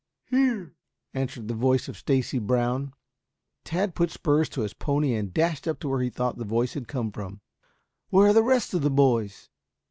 "Here," answered the voice of Stacy Brown. Tad put spurs to his pony and dashed up to where he thought the voice had come from. "Where are the rest of the boys?"